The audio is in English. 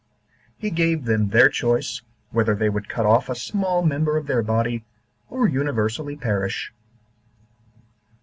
He gave them their choice, whether they would cut off a small member of their body, or universally perish.